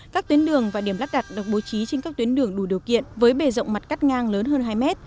các tuyến đường và điểm lắp đặt được bố trí trên các tuyến đường đủ điều kiện với bề rộng mặt cắt ngang lớn hơn hai mét